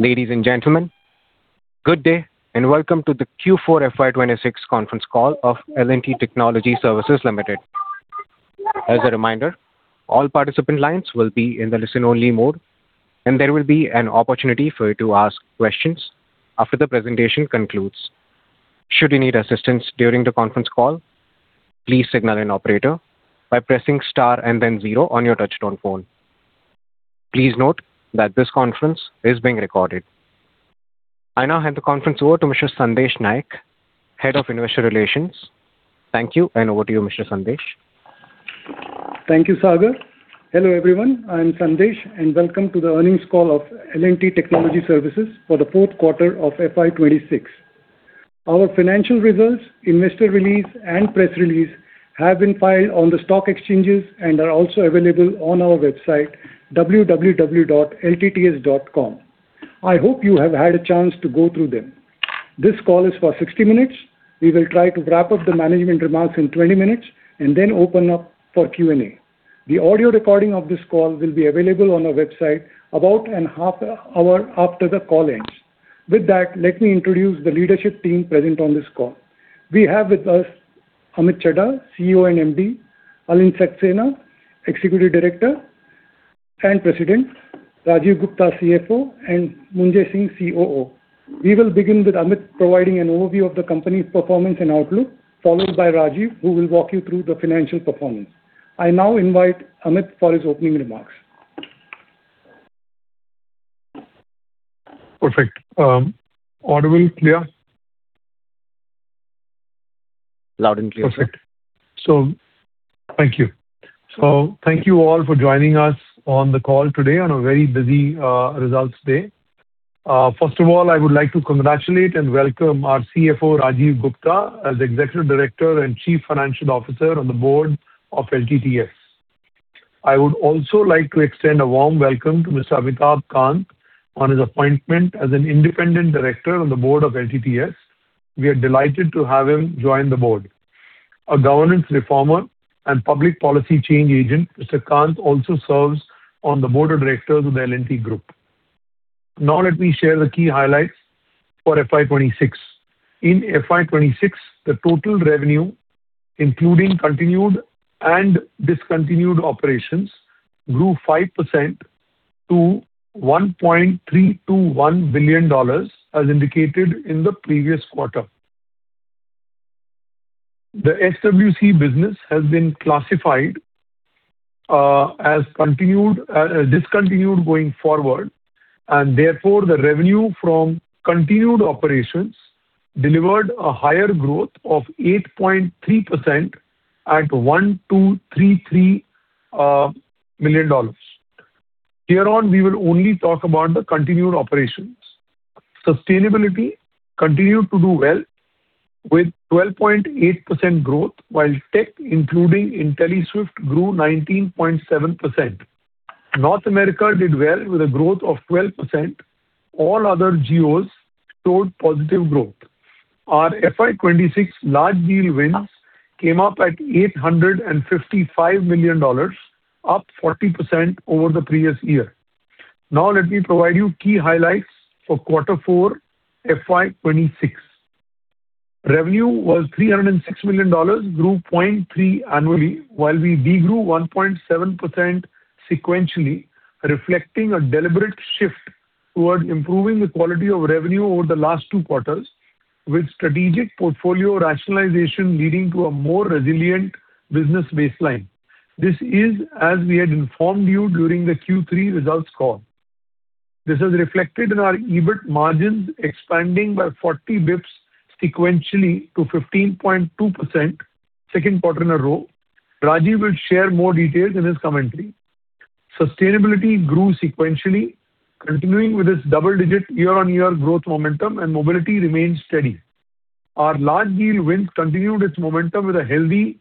Ladies and gentlemen, good day and welcome to the Q4 FY 2026 Conference Call of L&T Technology Services Limited. As a reminder, all participant lines will be in the listen-only mode, and there will be an opportunity for you to ask questions after the presentation concludes. Should you need assistance during the conference call, please signal an operator by pressing star and then zero on your touchtone phone. Please note that this conference is being recorded. I now hand the conference over to Mr. Sandesh Naik, Head of Investor Relations. Thank you, and over to you, Mr. Sandesh. Thank you, Sagar. Hello, everyone. I am Sandesh, and welcome to the earnings call of L&T Technology Services for the fourth quarter of FY 2026. Our financial results, investor release, and press release have been filed on the stock exchanges and are also available on our website, www.ltts.com. I hope you have had a chance to go through them. This call is for 60 minutes. We will try to wrap up the management remarks in 20 minutes and then open up for Q&A. The audio recording of this call will be available on our website about a half hour after the call ends. With that, let me introduce the leadership team present on this call. We have with us Amit Chadha, CEO and MD, Alind Saxena, Executive Director and President, Rajeev Gupta, CFO, and Mritunjay Singh, COO. We will begin with Amit providing an overview of the company's performance and outlook, followed by Rajeev, who will walk you through the financial performance. I now invite Amit for his opening remarks. Perfect. Audible, clear? Loud and clear. Perfect. Thank you. Thank you all for joining us on the call today on a very busy results day. First of all, I would like to congratulate and welcome our CFO, Rajeev Gupta, as Executive Director and Chief Financial Officer on the board of LTTS. I would also like to extend a warm welcome to Mr. Vaikom Kant on his appointment as an independent director on the board of LTTS. We are delighted to have him join the board. A governance reformer and public policy change agent, Mr. Kant also serves on the board of directors of the L&T Group. Now let me share the key highlights for FY 2026. In FY 2026, the total revenue, including continued and discontinued operations, grew 5% to $1.321 billion, as indicated in the previous quarter. The SWC business has been classified as discontinued going forward, and therefore, the revenue from continued operations delivered a higher growth of 8.3% at $123.3 million. Hereon, we will only talk about the continued operations. Sustainability continued to do well with 12.8% growth, while tech, including Intelliswift, grew 19.7%. North America did well with a growth of 12%. All other geos showed positive growth. Our FY 2026 large deal wins came up at $855 million, up 40% over the previous year. Now let me provide you key highlights for quarter four FY 2026. Revenue was $306 million, grew 0.3% annually, while we de-grew 1.7% sequentially, reflecting a deliberate shift towards improving the quality of revenue over the last two quarters, with strategic portfolio rationalization leading to a more resilient business baseline. This is as we had informed you during the Q3 results call. This is reflected in our EBIT margins expanding by 40 basis points sequentially to 15.2%, the second quarter in a row. Rajeev will share more details in his commentary. Sustainability grew sequentially, continuing with its double-digit year-on-year growth momentum, and mobility remains steady. Our large deal wins continued its momentum with a healthy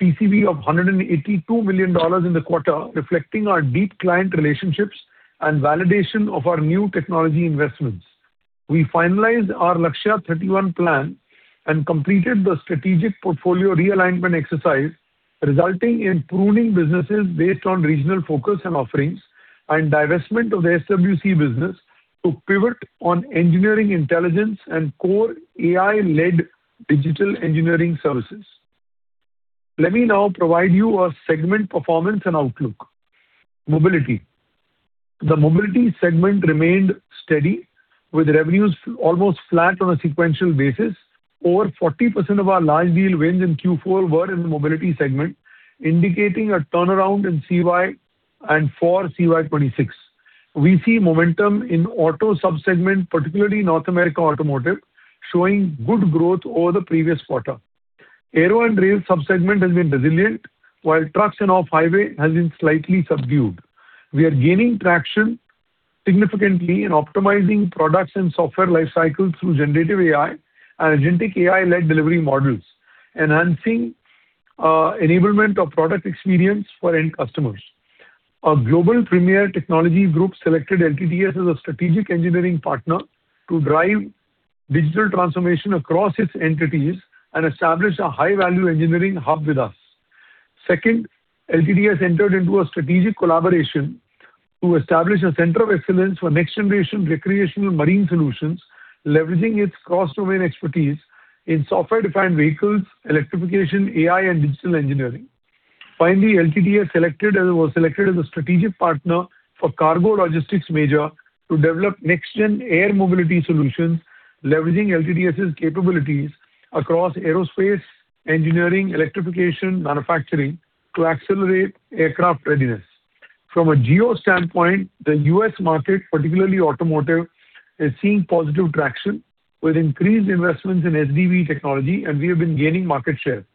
TCV of $182 million in the quarter, reflecting our deep client relationships and validation of our new technology investments. We finalized our Lakshya 31 plan and completed the strategic portfolio realignment exercise, resulting in pruning businesses based on regional focus and offerings and divestment of the SWC business to pivot on Engineering Intelligence and core AI-led digital engineering services. Let me now provide you our segment performance and outlook. Mobility. The mobility segment remained steady with revenues almost flat on a sequential basis. Over 40% of our large deal wins in Q4 were in the mobility segment, indicating a turnaround in CY and for CY26. We see momentum in auto sub-segment, particularly North America Automotive, showing good growth over the previous quarter. Aero and rail sub-segment has been resilient, while trucks and off-highway has been slightly subdued. We are gaining traction significantly in optimizing products and software life cycle through generative AI and agentic AI-led delivery models, enhancing enablement of product experience for end customers. A global premier technology group selected LTTS as a strategic engineering partner to drive digital transformation across its entities and establish a high-value engineering hub with us. Second, LTTS entered into a strategic collaboration to establish a center of excellence for next generation recreational marine solutions, leveraging its cross-domain expertise in software-defined vehicles, electrification, AI, and digital engineering. Finally, LTTS was selected as a strategic partner for cargo logistics major to develop next gen air mobility solutions, leveraging LTTS' capabilities across aerospace engineering, electrification, manufacturing to accelerate aircraft readiness. From a geo standpoint, the U.S. market, particularly automotive, is seeing positive traction with increased investments in SDV technology, and we have been gaining market share.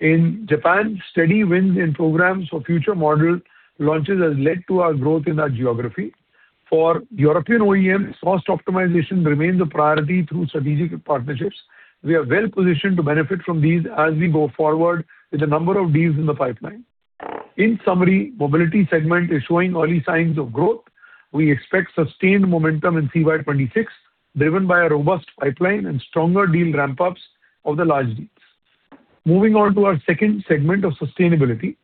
In Japan, steady wins in programs for future model launches has led to our growth in that geography. For European OEMs, cost optimization remains a priority through strategic partnerships. We are well-positioned to benefit from these as we go forward with a number of deals in the pipeline. In summary, Mobility segment is showing early signs of growth. We expect sustained momentum in FY 2026, driven by a robust pipeline and stronger deal ramp-ups of the large deals. Moving on to our second segment of Sustainability.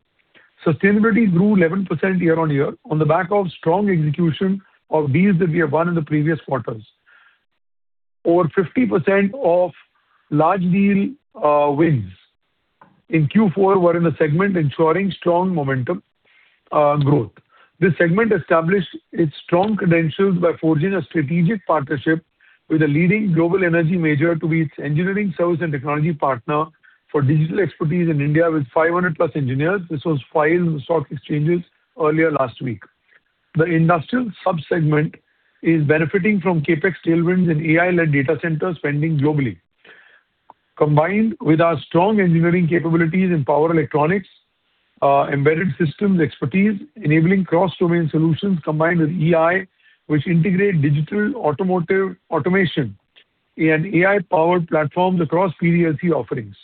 Sustainability grew 11% year-on-year on the back of strong execution of deals that we have won in the previous quarters. Over 50% of large deal wins in Q4 were in the segment, ensuring strong momentum growth. This segment established its strong credentials by forging a strategic partnership with a leading global energy major to be its engineering service and technology partner for digital expertise in India with 500+ engineers. This was filed in the stock exchanges earlier last week. The industrial sub-segment is benefiting from CapEx tailwinds and AI-led data center spending globally. Combined with our strong engineering capabilities in power electronics, embedded systems expertise enabling cross-domain solutions, combined with EI, which integrate digital automotive automation and AI-powered platforms across PDLC offerings.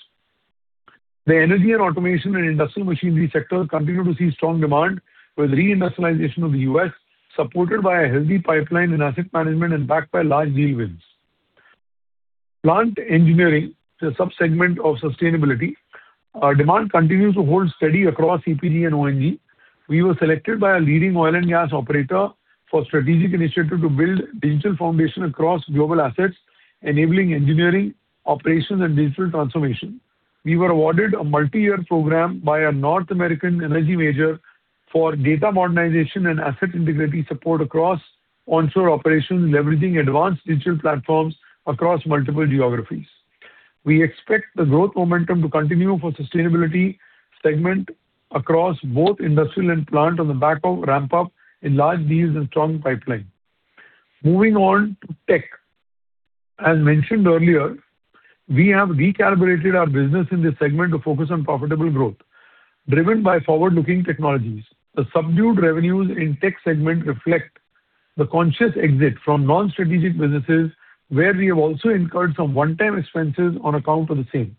The energy and automation and industrial machinery sectors continue to see strong demand with re-industrialization of the U.S., supported by a healthy pipeline in asset management and backed by large deal wins. Plant engineering, the sub-segment of sustainability, demand continues to hold steady across E&P and O&G. We were selected by a leading oil and gas operator for strategic initiative to build digital foundation across global assets, enabling engineering, operations, and digital transformation. We were awarded a multi-year program by a North American energy major for data modernization and asset integrity support across onshore operations, leveraging advanced digital platforms across multiple geographies. We expect the growth momentum to continue for sustainability segment across both industrial and plant on the back of ramp-up in large deals and strong pipeline. Moving on to tech. As mentioned earlier, we have recalibrated our business in this segment to focus on profitable growth driven by forward-looking technologies. The subdued revenues in tech segment reflect the conscious exit from non-strategic businesses, where we have also incurred some one-time expenses on account of the same.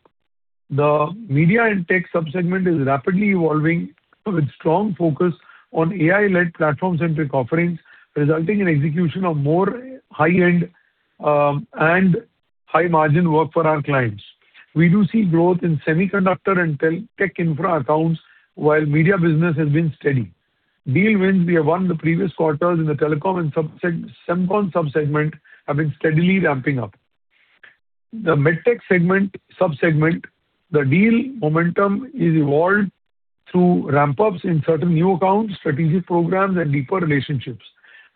The media and tech sub-segment is rapidly evolving with strong focus on AI-led platform-centric offerings, resulting in execution of more high-end and high-margin work for our clients. We do see growth in semiconductor and tech infra accounts, while media business has been steady. Deal wins we have won the previous quarters in the telecom and Semcon sub-segment have been steadily ramping up. The MedTech sub-segment, the deal momentum is evolved through ramp-ups in certain new accounts, strategic programs, and deeper relationships.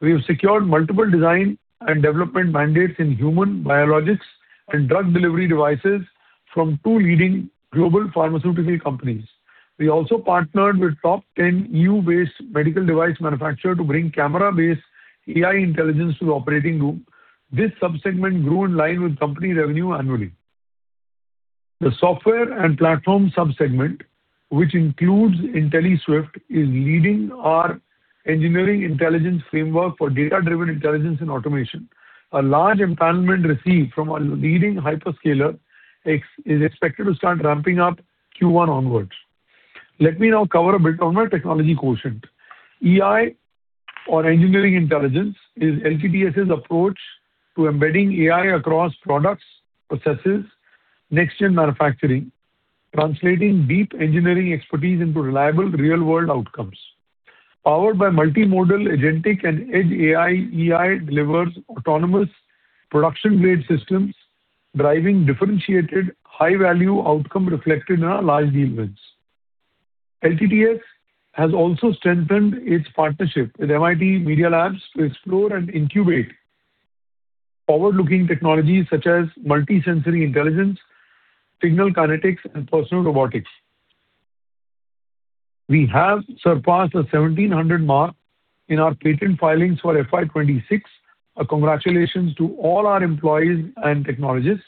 We have secured multiple design and development mandates in human biologics and drug delivery devices from two leading global pharmaceutical companies. We also partnered with top 10 EU-based medical device manufacturer to bring camera-based AI intelligence to the operating room. This sub-segment grew in line with company revenue annually. The software and platform sub-segment, which includes Intelliswift, is leading our Engineering Intelligence framework for data-driven intelligence and automation. A large order received from a leading hyperscaler is expected to start ramping up Q1 onwards. Let me now cover a bit on our technology quotient. EI or Engineering Intelligence is LTTS' approach to embedding AI across products, processes, next gen manufacturing, translating deep engineering expertise into reliable real-world outcomes. Powered by multimodal agentic and edge AI, EI delivers autonomous production-grade systems, driving differentiated high-value outcome reflected in our large deal wins. LTTS has also strengthened its partnership with MIT Media Lab to explore and incubate forward-looking technologies such as Multi-sensory Intelligence, Signal Kinetics, and personal robotics. We have surpassed the 1,700 mark in our patent filings for FY 2026. A congratulations to all our employees and technologists,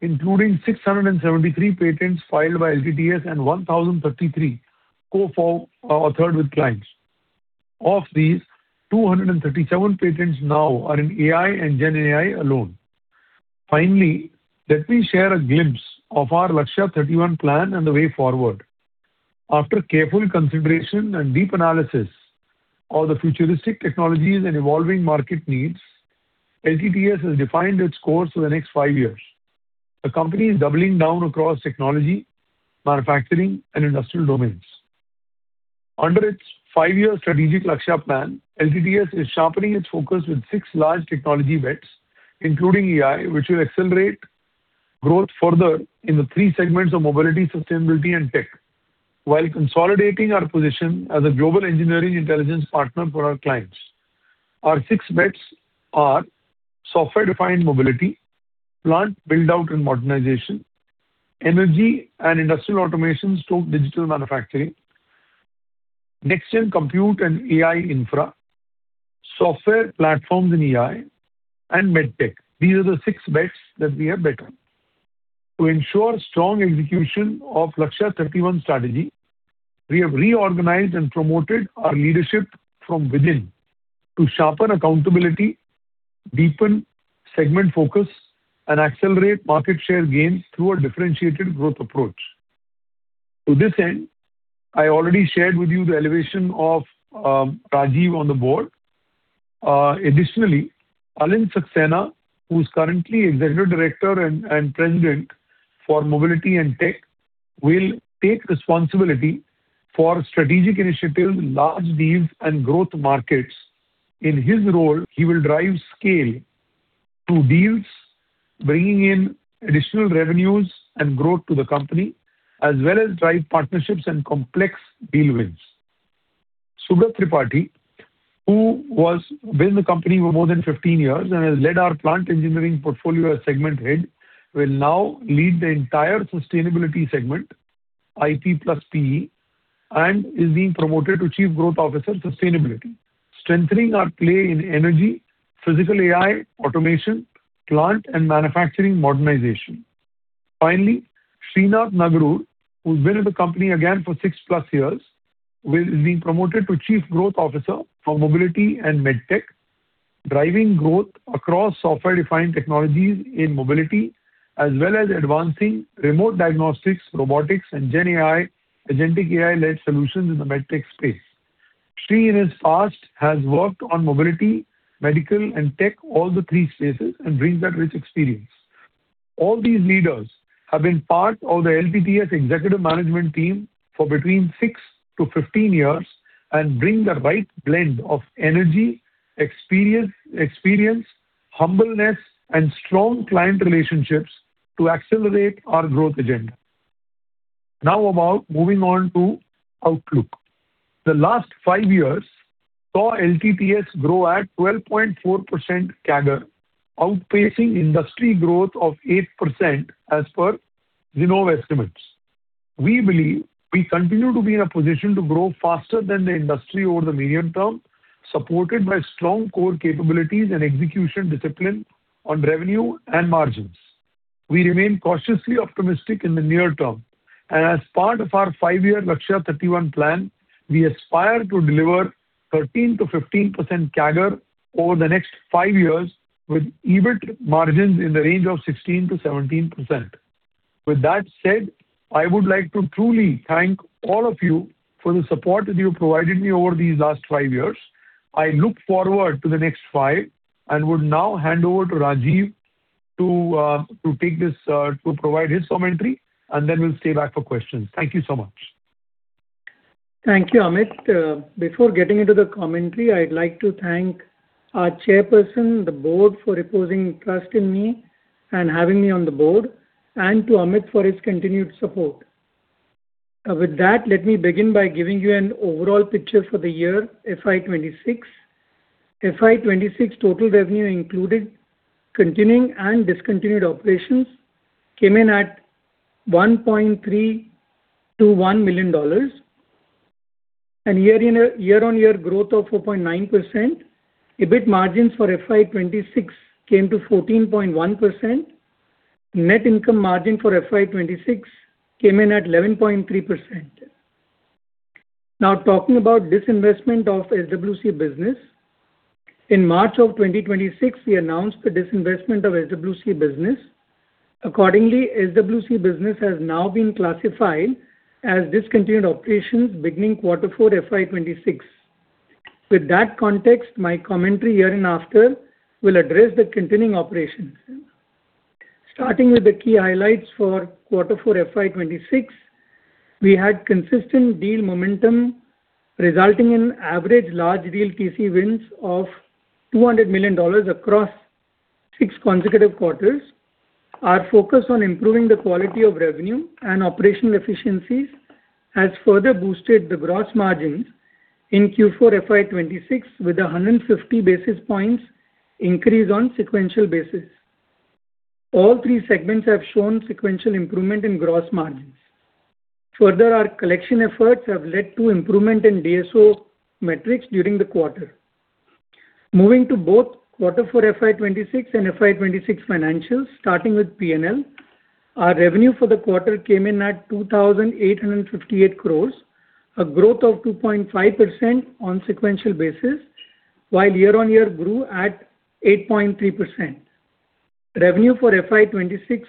including 673 patents filed by LTTS and 1,033 co-filed or authored with clients. Of these, 237 patents now are in AI and GenAI alone. Finally, let me share a glimpse of our Lakshya 31 plan and the way forward. After careful consideration and deep analysis of the futuristic technologies and evolving market needs, LTTS has defined its course for the next five years. The company is doubling down across technology, manufacturing, and industrial domains. Under its five-year strategic Lakshya plan, LTTS is sharpening its focus with six large technology bets, including AI, which will accelerate growth further in the three segments of mobility, sustainability and tech, while consolidating our position as a global engineering intelligence partner for our clients. Our six bets are software-defined mobility, plant build-out and modernization, energy and industrial automation through digital manufacturing, next-gen compute and AI infra, software platforms in AI, and MedTech. These are the six bets that we have bet on. To ensure strong execution of Lakshya 31 strategy, we have reorganized and promoted our leadership from within to sharpen accountability, deepen segment focus, and accelerate market share gains through a differentiated growth approach. To this end, I already shared with you the elevation of Rajeev on the board. Additionally, Alind Saxena, who's currently Executive Director and President for Mobility and MedTech, will take responsibility for strategic initiatives, large deals, and growth markets. In his role, he will drive scale to deals, bringing in additional revenues and growth to the company, as well as drive partnerships and complex deal wins. Subrat Tripathy, who has been the company for more than 15 years and has led our plant engineering portfolio as segment head, will now lead the entire sustainability segment, IT & PE, and is being promoted to Chief Growth Officer, Sustainability, strengthening our play in energy, physical AI, automation, plant and manufacturing modernization. Finally, Srinath Nagaraj, who's been at the company again for six+ years, will be promoted to Chief Growth Officer for Mobility and MedTech, driving growth across software-defined technologies in mobility, as well as advancing remote diagnostics, robotics, and agentic AI-led solutions in the MedTech space. Sri, in his past, has worked on mobility, medical, and tech, all the three spaces, and brings that rich experience. All these leaders have been part of the LTTS executive management team for between 6-15 years and bring the right blend of energy, experience, humbleness, and strong client relationships to accelerate our growth agenda. Now about moving on to outlook. The last five years saw LTTS grow at 12.4% CAGR, outpacing industry growth of 8% as per Zinnov estimates. We believe we continue to be in a position to grow faster than the industry over the medium term, supported by strong core capabilities and execution discipline on revenue and margins. We remain cautiously optimistic in the near term, and as part of our five-year Lakshya 31 plan, we aspire to deliver 13%-15% CAGR over the next five years, with EBIT margins in the range of 16%-17%. With that said, I would like to truly thank all of you for the support that you provided me over these last five years. I look forward to the next five and would now hand over to Rajeev to provide his commentary and then we'll stay back for questions. Thank you so much. Thank you, Amit. Before getting into the commentary, I'd like to thank our chairperson, the board, for reposing trust in me and having me on the board, and to Amit for his continued support. With that, let me begin by giving you an overall picture for the year FY 2026. FY 2026 total revenue included continuing and discontinued operations came in at $1.321 million. Year-on-year growth of 4.9%. EBIT margins for FY 2026 came to 14.1%. Net income margin for FY 2026 came in at 11.3%. Now talking about disinvestment of SWC business. In March of 2026, we announced the disinvestment of SWC business. Accordingly, SWC business has now been classified as discontinued operations beginning quarter four FY 2026. With that context, my commentary hereinafter will address the continuing operations. Starting with the key highlights for quarter four FY 2026. We had consistent deal momentum resulting in average large deal TC wins of $200 million across six consecutive quarters. Our focus on improving the quality of revenue and operational efficiencies has further boosted the gross margins in Q4 FY 2026 with 150 basis points increase on sequential basis. All three segments have shown sequential improvement in gross margins. Further, our collection efforts have led to improvement in DSO metrics during the quarter. Moving to both quarter four FY 2026 and FY 2026 financials. Starting with P&L. Our revenue for the quarter came in at 2,858 crores, a growth of 2.5% on sequential basis, while year-on-year grew at 8.3%. Revenue for FY 2026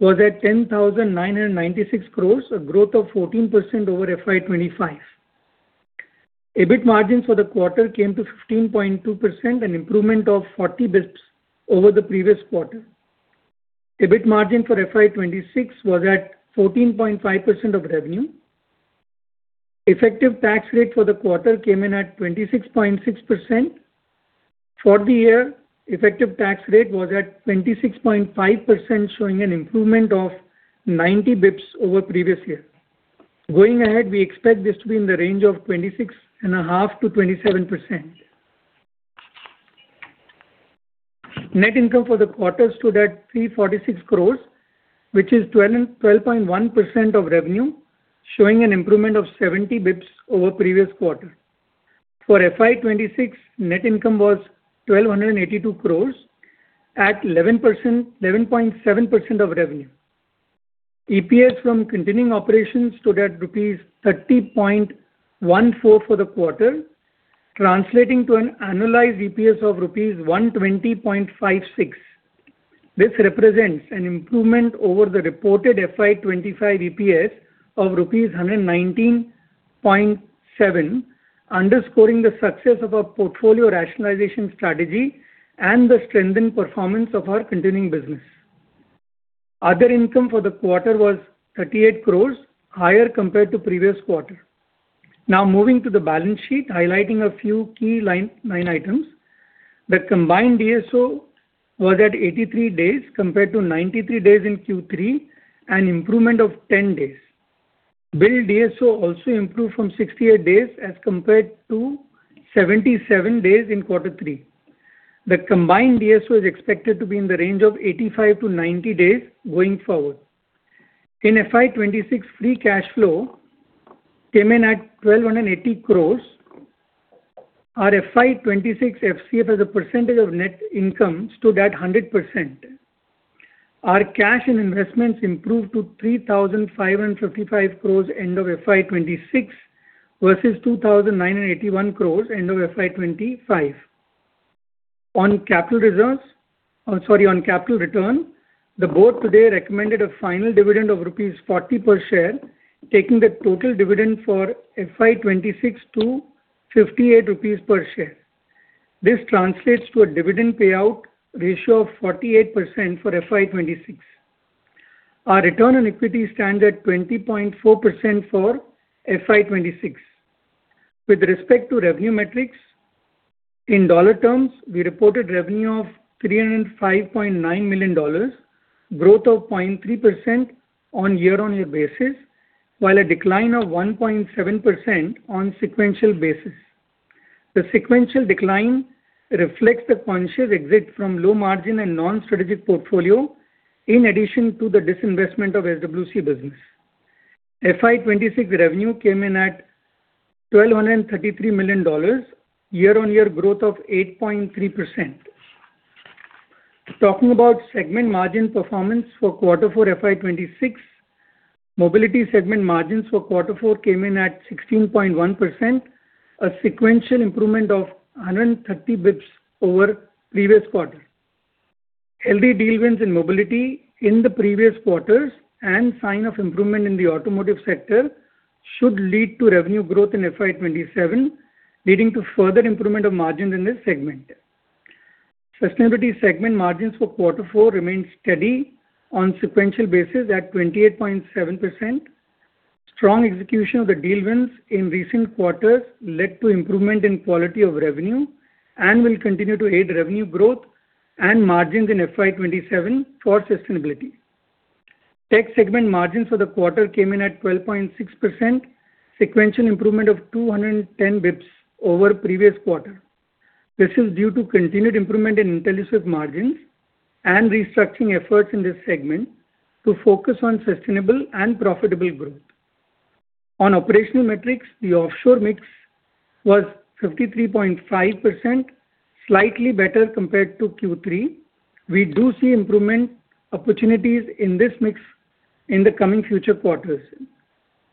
was at 10,996 crores, a growth of 14% over FY 2025. EBIT margins for the quarter came to 15.2%, an improvement of 40 basis points over the previous quarter. EBIT margin for FY 2026 was at 14.5% of revenue. Effective tax rate for the quarter came in at 26.6%. For the year, effective tax rate was at 26.5%, showing an improvement of 90 basis points over previous year. Going ahead, we expect this to be in the range of 26.5%-27%. Net income for the quarter stood at 346 crores, which is 12.1% of revenue, showing an improvement of 70 basis points over the previous quarter. For FY 2026, net income was 1,282 crores at 11.7% of revenue. EPS from continuing operations stood at rupees 30.14 for the quarter, translating to an annualized EPS of rupees 120.56. This represents an improvement over the reported FY 2025 EPS of rupees 119.7, underscoring the success of our portfolio rationalization strategy and the strengthened performance of our continuing business. Other income for the quarter was 38 crores, higher compared to the previous quarter. Now moving to the balance sheet, highlighting a few key line items. The combined DSO was at 83 days compared to 93 days in Q3, an improvement of 10 days. Billed DSO also improved from 68 days as compared to 77 days in quarter three. The combined DSO is expected to be in the range of 85-90 days going forward. In FY 2026, free cash flow came in at 1,280 crores. Our FY 2026 FCF as a percentage of net income stood at 100%. Our cash and investments improved to 3,555 crores end of FY 2026 versus 2,981 crores end of FY 2025. On capital return, the board today recommended a final dividend of rupees 40 per share, taking the total dividend for FY 2026 to 58 rupees per share. This translates to a dividend payout ratio of 48% for FY 2026. Our return on equity stand at 20.4% for FY 2026. With respect to revenue metrics, in dollar terms, we reported revenue of $305.9 million, growth of 0.3% on YoY basis, while a decline of 1.7% on sequential basis. The sequential decline reflects the conscious exit from low margin and non-strategic portfolio in addition to the disinvestment of SWC business. FY 2026 revenue came in at $1,233 million, YoY growth of 8.3%. Talking about segment margin performance for quarter four FY 2026, mobility segment margins for quarter four came in at 16.1%, a sequential improvement of 130 basis points over the previous quarter. Healthy deal wins in mobility in the previous quarters and sign of improvement in the automotive sector should lead to revenue growth in FY 2027, leading to further improvement of margins in this segment. Sustainability segment margins for quarter four remained steady on sequential basis at 28.7%. Strong execution of the deal wins in recent quarters led to improvement in quality of revenue and will continue to aid revenue growth and margins in FY 2027 for sustainability. Tech segment margins for the quarter came in at 12.6%, sequential improvement of 210 basis points over the previous quarter. This is due to continued improvement in Intelliswift margins and restructuring efforts in this segment to focus on sustainable and profitable growth. On operational metrics, the offshore mix was 53.5%, slightly better compared to Q3. We do see improvement opportunities in this mix in the coming future quarters.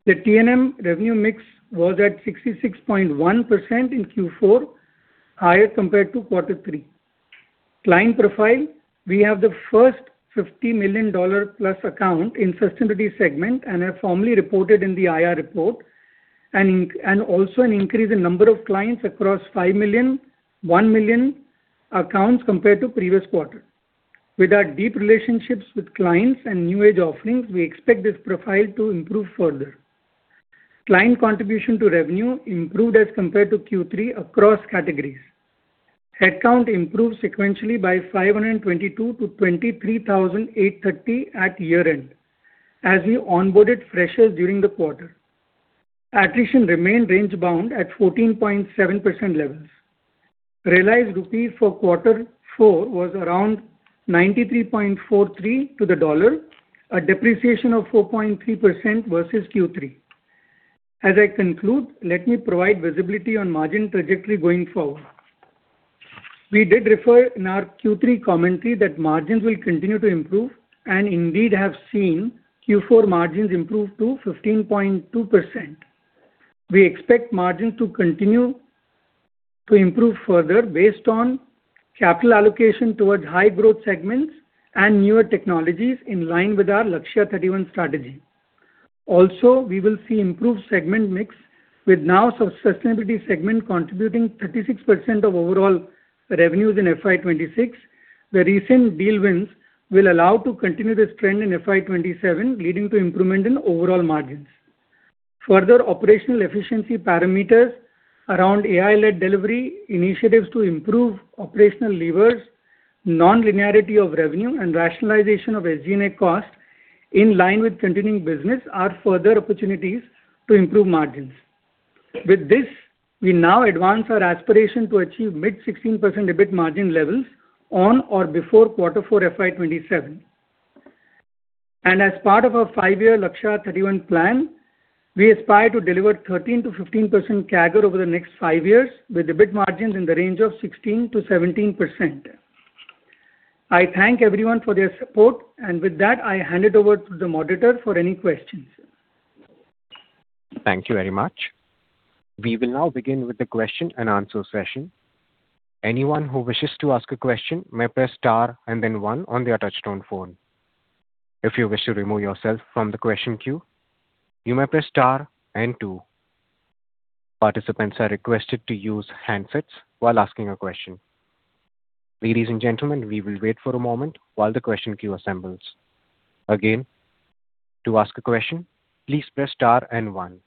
The TNM revenue mix was at 66.1% in Q4, higher compared to quarter three. Client profile, we have the first $50 million-plus account in sustainability segment and have formally reported in the IR report, and also an increase in number of clients across $5 million, $1 million accounts compared to the previous quarter. With our deep relationships with clients and new age offerings, we expect this profile to improve further. Client contribution to revenue improved as compared to Q3 across categories. Headcount improved sequentially by 522 to 23,830 at year-end, as we onboarded freshers during the quarter. Attrition remained range-bound at 14.7% levels. Realized rupee for quarter four was around 93.43 to the dollar, a depreciation of 4.3% versus Q3. As I conclude, let me provide visibility on margin trajectory going forward. We did refer in our Q3 commentary that margins will continue to improve and indeed have seen Q4 margins improve to 15.2%. We expect margins to continue To improve further based on capital allocation towards high growth segments and newer technologies in line with our Lakshya 31-Plan strategy. We will see improved segment mix with our sustainability segment contributing 36% of overall revenues in FY 2026. The recent deal wins will allow us to continue this trend in FY 2027, leading to improvement in overall margins. Further operational efficiency parameters around AI-led delivery initiatives to improve operational levers, non-linearity of revenue and rationalization of SG&A costs in line with continuing business are further opportunities to improve margins. With this, we now advance our aspiration to achieve mid 16% EBIT margin levels on or before quarter four FY 2027. As part of our five-year Lakshya 31-Plan plan, we aspire to deliver 13%-15% CAGR over the next five years, with EBIT margins in the range of 16%-17%. I thank everyone for their support, and with that, I hand it over to the moderator for any questions. Thank you very much. We will now begin with the question and answer session. Anyone who wishes to ask a question may press star and then one on their touchtone phone. If you wish to remove yourself from the question queue, you may press star and two. Participants are requested to use handsets while asking a question. Ladies and gentlemen, we will wait for a moment while the question queue assembles. Again, to ask a question, please press star and one.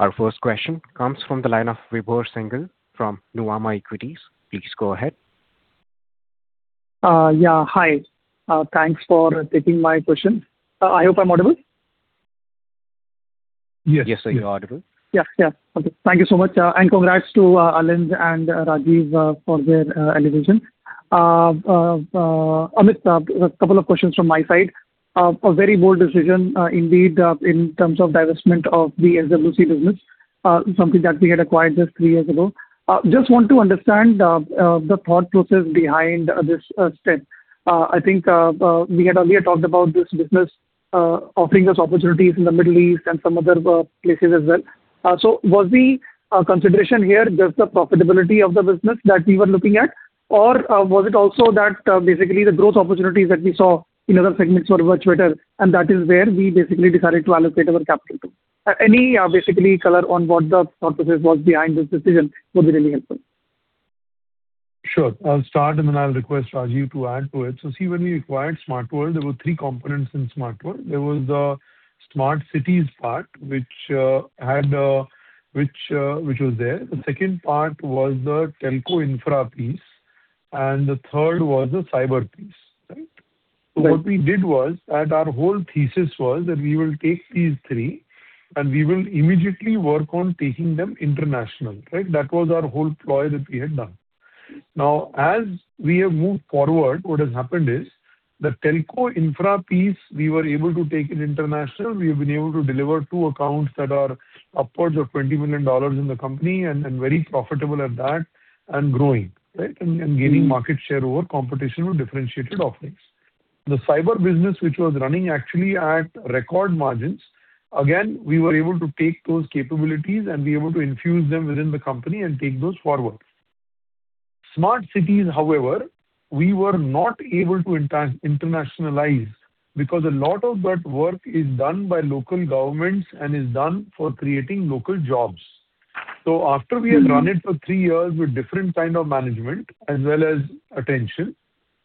Our first question comes from the line of Vibhor Singhal from Nuvama Equities. Please go ahead. Yeah. Hi. Thanks for taking my question. I hope I'm audible. Yes, sir, you're audible. Yeah. Okay. Thank you so much, and congrats to Alind and Rajeev for their elevation. Amit, a couple of questions from my side. A very bold decision, indeed, in terms of divestment of the SWC business, something that we had acquired just three years ago. Just want to understand the thought process behind this step. I think we had earlier talked about this business offering us opportunities in the Middle East and some other places as well. So was the consideration here just the profitability of the business that we were looking at? Or was it also that basically the growth opportunities that we saw in other segments were much better, and that is where we basically decided to allocate our capital to? Any basically color on what the thought process was behind this decision would be really helpful. Sure. I'll start and then I'll request Rajeev to add to it. See, when we acquired SmartWorld, there were three components in SmartWorld. There was the smart cities part, which was there. The second part was the telco infra piece, and the third was the cyber piece. Right? Right. What we did was, and our whole thesis was, that we will take these three and we will immediately work on taking them international. Right? That was our whole ploy that we had done. Now, as we have moved forward, what has happened is the telco infra piece, we were able to take it international. We have been able to deliver two accounts that are upwards of $20 million in the company and very profitable at that, and growing, right, and gaining market share over competition with differentiated offerings. The cyber business, which was running actually at record margins, again, we were able to take those capabilities and be able to infuse them within the company and take those forward. Smart cities, however, we were not able to internationalize because a lot of that work is done by local governments and is done for creating local jobs. After we have run it for three years with different kind of management as well as attention,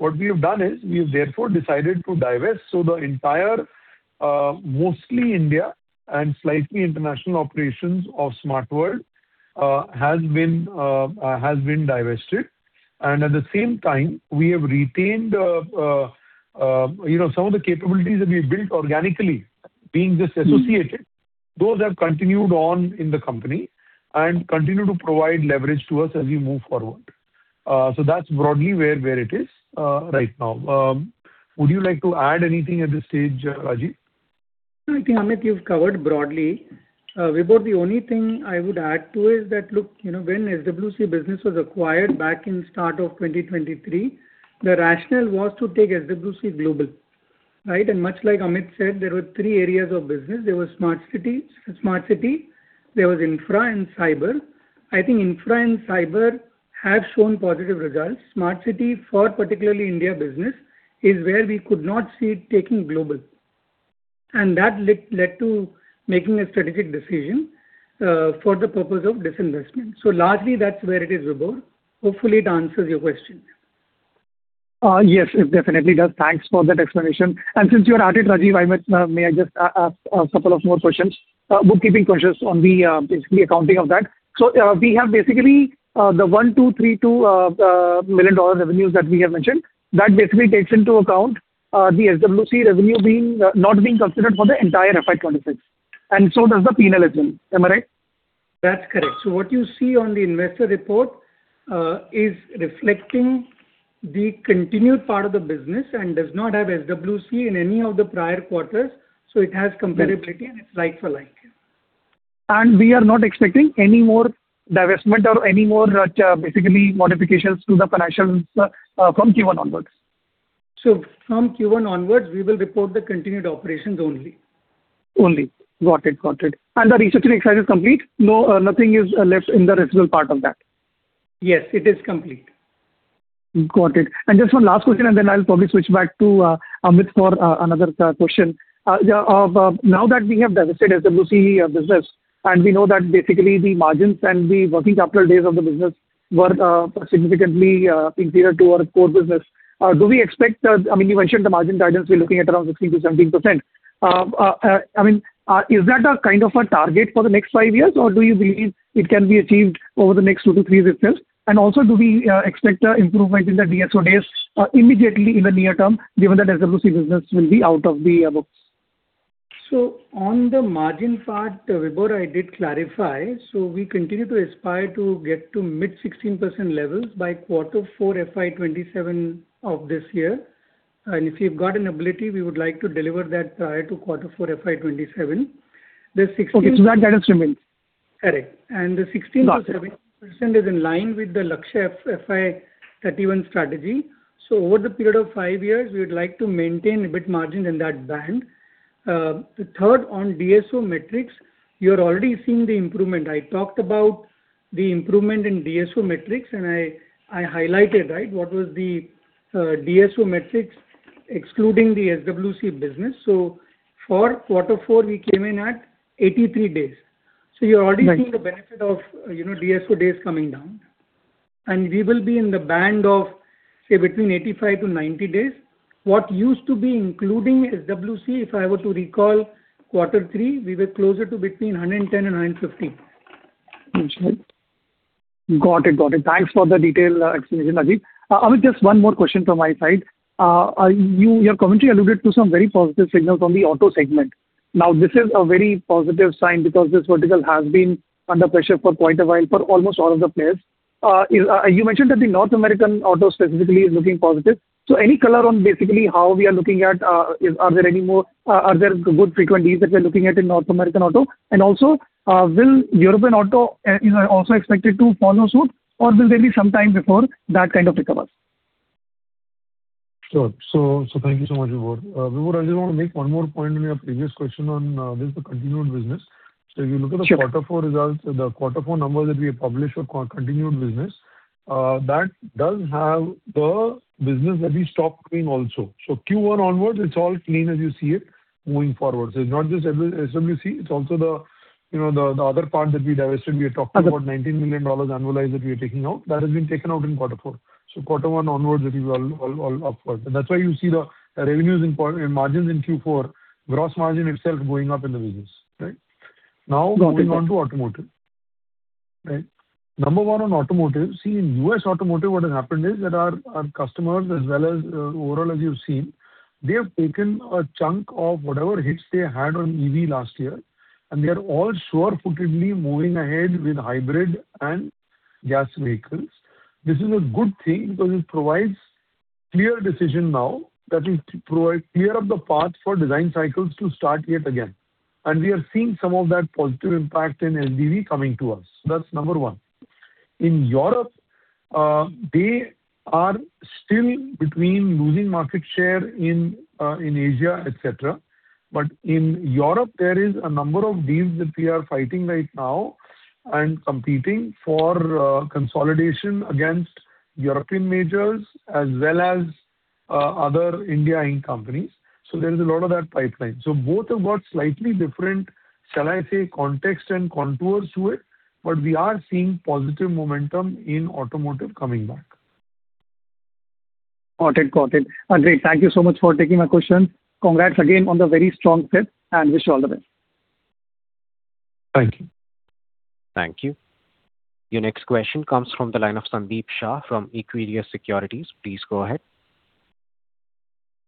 what we have done is we have therefore decided to divest. The entire, mostly India and slightly international operations of Smart World, has been divested. At the same time, we have retained some of the capabilities that we've built organically being disassociated. Those have continued on in the company and continue to provide leverage to us as we move forward. That's broadly where it is right now. Would you like to add anything at this stage, Rajeev? No, I think, Amit, you've covered broadly. Vibhor, the only thing I would add too is that, look, when SWC business was acquired back in start of 2023, the rationale was to take SWC global. Right? Much like Amit said, there were three areas of business. There was smart city, there was infra and cyber. I think infra and cyber have shown positive results. Smart city for particularly India business is where we could not see it taking global. That led to making a strategic decision for the purpose of disinvestment. Largely that's where it is, Vibhor. Hopefully it answers your question. Yes, it definitely does. Thanks for that explanation. Since you are at it, Rajeev, may I just ask a couple of more questions, bookkeeping questions on the basically accounting of that? We have basically the $123.2 million revenues that we have mentioned, that basically takes into account the SWC revenue not being considered for the entire FY 2026, and so does the P&L as well. Am I right? That's correct. What you see on the investor report is reflecting the continued part of the business and does not have SWC in any of the prior quarters. It has comparability and it's like for like. We are not expecting any more divestment or any more, basically, modifications to the financials from Q1 onwards. From Q1 onwards, we will report the continued operations only. Only. Got it. The restructuring side is complete? Nothing is left in the residual part of that. Yes, it is complete. Got it. Just one last question, and then I'll probably switch back to Amit for another question. Now that we have divested SWC business, and we know that basically the margins and the working capital days of the business were significantly inferior to our core business. You mentioned the margin guidance, we're looking at around 16%-17%. Is that a kind of a target for the next five years, or do you believe it can be achieved over the next two to three years itself? Also, do we expect improvements in the DSO days immediately in the near term, given that SWC business will be out of the books? On the margin part, Vibhor, I did clarify. We continue to aspire to get to mid-16% levels by quarter four FY 2027 of this year. If we've got an ability, we would like to deliver that by quarter four FY 2027. Okay. That guidance remains. Correct. The 16%-17% is in line with the Lakshya FY 2031 strategy. Over the period of five years, we would like to maintain EBIT margin in that band. The third on DSO metrics, you're already seeing the improvement. I talked about the improvement in DSO metrics, and I highlighted what was the DSO metrics, excluding the SWC business. For quarter four, we came in at 83 days. You're already seeing the benefit of DSO days coming down. We will be in the band of, say, between 85-90 days. What used to be including SWC, if I were to recall quarter three, we were closer to between 110 and 115. Got it. Thanks for the detailed explanation, Rajeev. Amit, just one more question from my side. Your commentary alluded to some very positive signals on the auto segment. Now, this is a very positive sign because this vertical has been under pressure for quite a while for almost all of the players. You mentioned that the North American auto specifically is looking positive. Any color on basically how we are looking at, are there good frequent leads that we're looking at in North American auto? And also, will European auto also expected to follow suit or will there be some time before that kind of pick up? Thank you so much, Vibhor. Vibhor, I just want to make one more point on your previous question on this continued business. If you look at the quarter four results, the quarter four numbers that we have published for continued business, that does have the business that we stopped paying also. Q1 onwards, it's all clean as you see it moving forward. It's not just SWC, it's also the other part that we divested. We are talking about $19 million annualized that we are taking out, that has been taken out in quarter four. Quarter one onwards, it is all upwards. That's why you see the revenues and margins in Q4, gross margin itself going up in the business. Right. Now, moving on to automotive. Number one on automotive, see, in U.S. automotive, what has happened is that our customers as well as overall, as you've seen, they have taken a chunk of whatever hits they had on EV last year, and they are all surefootedly moving ahead with hybrid and gas vehicles. This is a good thing because it provides clear direction now that will provide clarity of the path for design cycles to start yet again. We are seeing some of that positive impact in LDV coming to us. That's number one. In Europe, they are still burning, losing market share in Asia, et cetera. In Europe, there is a number of deals that we are fighting right now and competing for consolidation against European majors as well as other India Inc. companies. There is a lot of that pipeline. Both have got slightly different, shall I say, context and contours to it, but we are seeing positive momentum in automotive coming back. Got it. Great. Thank you so much for taking my question. Congrats again on the very strong QIP and wish you all the best. Thank you. Thank you. Your next question comes from the line of Sandeep Shah from Equirus Securities. Please go ahead.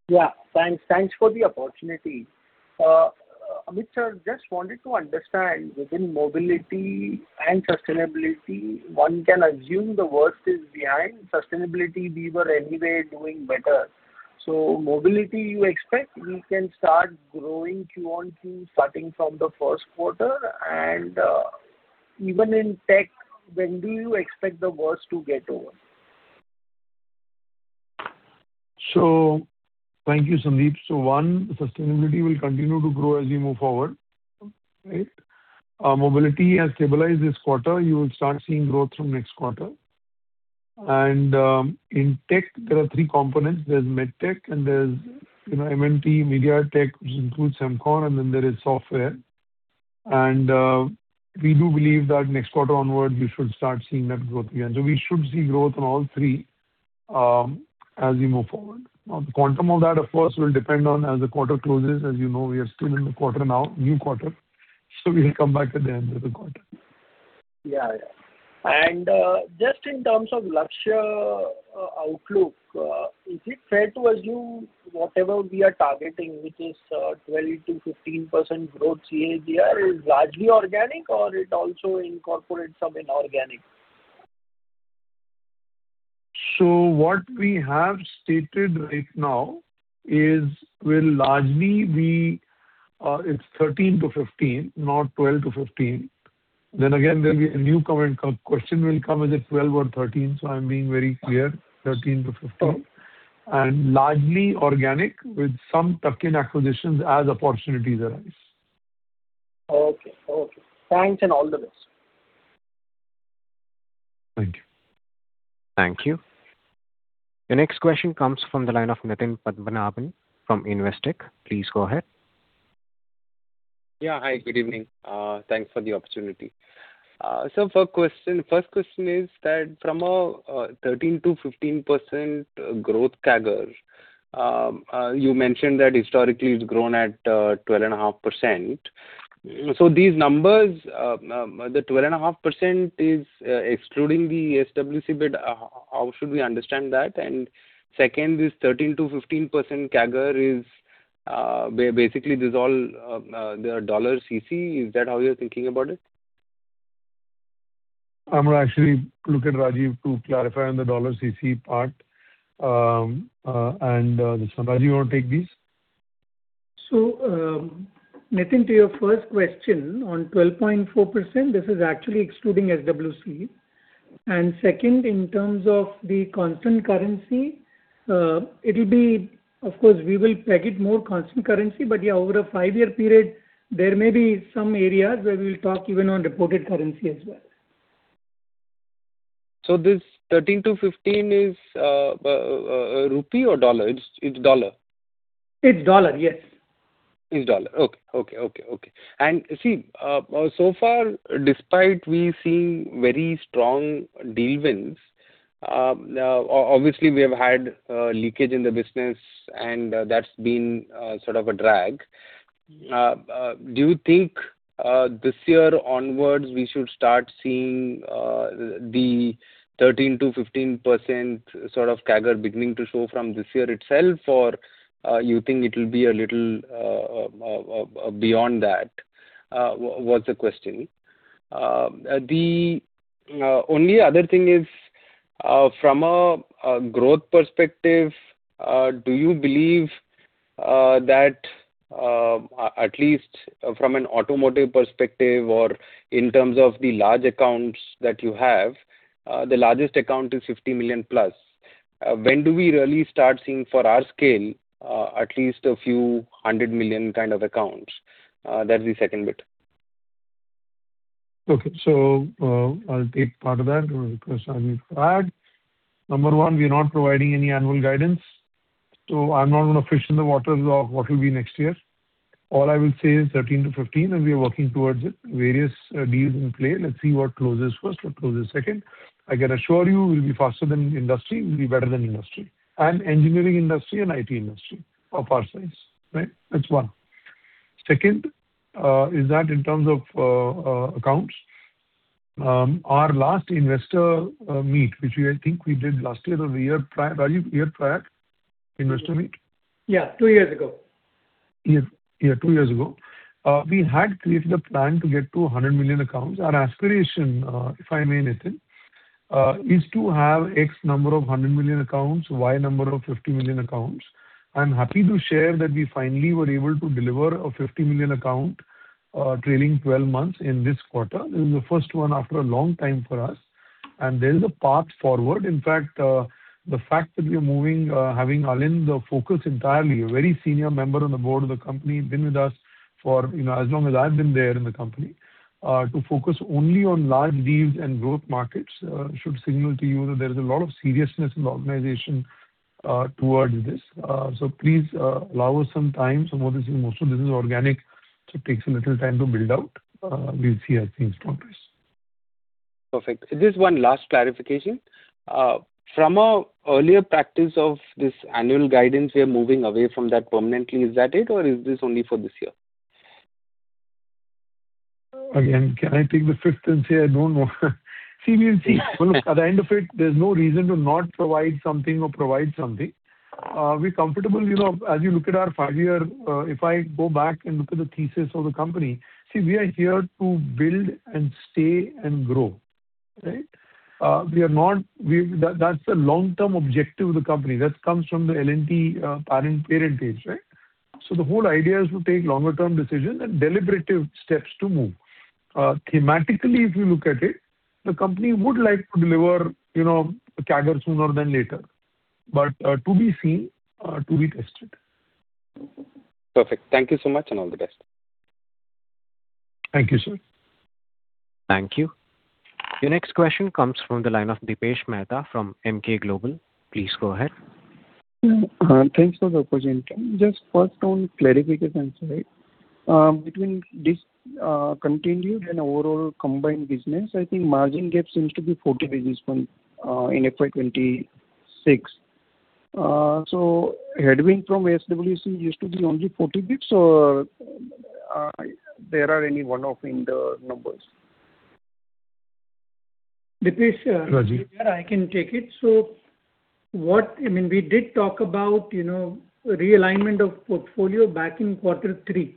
Yeah. Thanks for the opportunity. Amit, sir, just wanted to understand within Mobility and Sustainability, one can assume the worst is behind. Sustainability, we were anyway doing better. Mobility, you expect we can start growing quarter-on-quarter, starting from the first quarter, and even in Tech, when do you expect the worst to get over? Thank you, Sandeep. One, sustainability will continue to grow as we move forward. Mobility has stabilized this quarter. You will start seeing growth from next quarter. In tech, there are three components. There's MedTech and there's M&P, Media Tech, which includes MCore, and then there is software. We do believe that next quarter onward, we should start seeing that growth again. We should see growth on all three as we move forward. Now, the quantum of that, of course, will depend on as the quarter closes. As you know, we are still in the quarter now, new quarter. We will come back at the end of the quarter. Yeah. Just in terms of Lakshya outlook, is it fair to assume whatever we are targeting, which is 12%-15% growth CAGR, is largely organic, or it also incorporates some inorganic? What we have stated right now is will largely be, it's 13-15, not 12-15. There'll be a new question will come, is it 12 or 13? I'm being very clear, 13-15. Largely organic with some tuck-in acquisitions as opportunities arise. Okay. Thanks, and all the best. Thank you. Thank you. The next question comes from the line of Nitin Padmanabhan from Investec. Please go ahead. Yeah. Hi, good evening. Thanks for the opportunity. First question is that from a 13%-15% growth CAGR, you mentioned that historically it's grown at 12.5%. These numbers, the 12.5% is excluding the SWC bit. How should we understand that? Second, this 13%-15% CAGR is, basically this all, they are dollar CC. Is that how you're thinking about it? I'm going to actually look at Rajeev to clarify on the dollar CC part. Rajeev, you want to take this? Nitin, to your first question on 12.4%, this is actually excluding SWC. Second, in terms of the constant currency, of course, we will peg it more constant currency, but yeah, over a five-year period, there may be some areas where we'll talk even on reported currency as well. This 13-15 is rupee or dollar? It's dollar. It's dollar, yes. It's dollar. Okay. See, so far, despite we seeing very strong deal wins, obviously we have had leakage in the business and that's been sort of a drag. Do you think this year onwards we should start seeing the 13%-15% sort of CAGR beginning to show from this year itself, or you think it will be a little beyond that? Was the question. The only other thing is, from a growth perspective, do you believe that at least from an automotive perspective or in terms of the large accounts that you have, the largest account is $50 million+. When do we really start seeing for our scale, at least a few hundred million kind of accounts? That's the second bit. Okay. I'll take part of that because I need to add. Number one, we're not providing any annual guidance, so I'm not going to fish in the waters of what will be next year. All I will say is 13%-15%, and we are working towards it. Various deals in play. Let's see what closes first, what closes second. I can assure you we'll be faster than industry, we'll be better than industry, and engineering industry and IT industry of our size. That's one. Second, is that in terms of accounts, our last investor meet, which I think we did last year or the year prior. Rajeev, year prior investor meet? Yeah, two years ago. Yeah, two years ago. We had created a plan to get to 100 million accounts. Our aspiration, if I may, Nitin, is to have X number of 100 million accounts, Y number of 50 million accounts. I'm happy to share that we finally were able to deliver a 50 million account trailing 12 months in this quarter. This is the first one after a long time for us, and there is a path forward. In fact, the fact that we are moving, having Alind focus entirely, a very senior member on the board of the company, been with us for as long as I've been there in the company, to focus only on large deals and growth markets, should signal to you that there is a lot of seriousness in the organization towards this. Please allow us some time. Some of this is also business organic, so it takes a little time to build out. We'll see as things progress. Perfect. Just one last clarification. From our earlier practice of this annual guidance, we are moving away from that permanently. Is that it, or is this only for this year? Again, can I take the fifth and say, I don't know? See, we'll see. Well, look, at the end of it, there's no reason to not provide something. We're comfortable, as you look at our five-year, if I go back and look at the thesis of the company, see, we are here to build and stay and grow. That's the long-term objective of the company. That comes from the L&T parentage. So the whole idea is to take longer term decision and deliberative steps to move. Thematically, if you look at it, the company would like to deliver a CAGR sooner than later. To be seen, to be tested. Perfect. Thank you so much, and all the best. Thank you, sir. Thank you. Your next question comes from the line of Dipesh Mehta from Emkay Global. Please go ahead. Thanks for the opportunity. Just first on clarification side. Between discontinued and overall combined business, I think margin gap seems to be 40 basis point in FY 2026. Headwind from SWC used to be only 40 basis points or there are any one-off in the numbers? Dipesh- Rajeev. I can take it. We did talk about realignment of portfolio back in quarter three.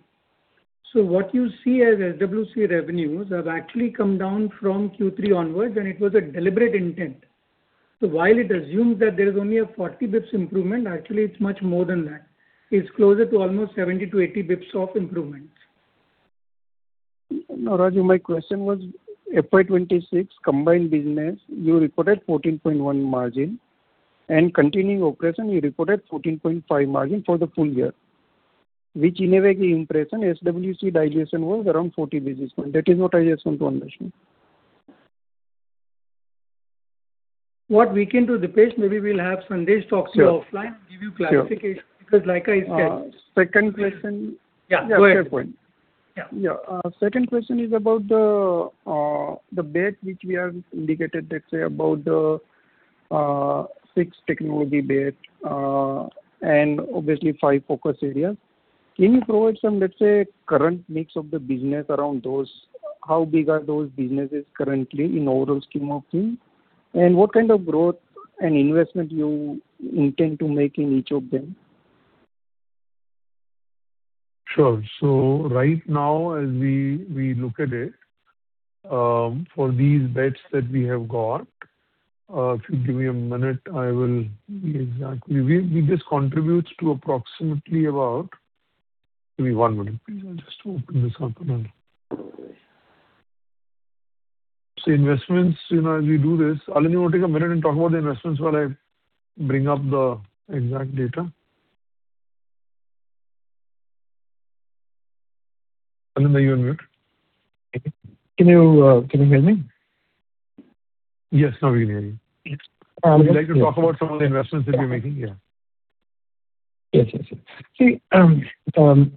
What you see as SWC revenues have actually come down from Q3 onwards, and it was a deliberate intent. While it assumes that there is only a 40 basis points improvement, actually it's much more than that. It's closer to almost 70-80 basis points of improvements. No, Rajeev, my question was FY 2026 combined business. You reported 14.1% margin, and continuing operation, you reported 14.5% margin for the full year. Which in a way give impression SWC dilution was around 40 basis point. That is what I just want to understand. What we can do, Dipesh, maybe we'll have Sandesh talk to you offline. Sure. give you clarification, because like I said. Second question. Yeah, go ahead. Yeah, fair point. Yeah. Yeah. Second question is about the bet which we have indicated, let's say about the six technology bet, and obviously five focus areas. Can you provide some, let's say, current mix of the business around those? How big are those businesses currently in overall scheme of things? And what kind of growth and investment you intend to make in each of them? Sure. Right now, as we look at it, for these bets that we have got, if you give me a minute. Give me one minute, please. I'll just open this up. Investments, as we do this, Alind, you want to take a minute and talk about the investments while I bring up the exact data? Alind, are you on mute? Can you hear me? Yes, now we can hear you. Yes. Would you like to talk about some of the investments that we're making? Yeah. Yes. See, when